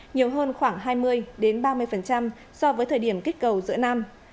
nhiều hơn khoảng hai mươi ba mươi so với thời điểm kích cầu giữa năm